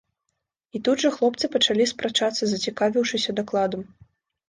І тут жа хлопцы пачалі спрачацца, зацікавіўшыся дакладам.